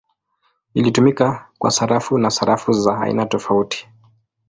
Ilitumika kwa sarafu na sarafu za aina tofauti.